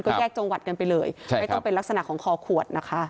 ก็แยกจังหวัดกันไปเลยไม่ต้องเป็นลักษณะของคอขวดนะคะ